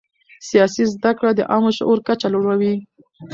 سیاسي زده کړه د عامه شعور کچه لوړوي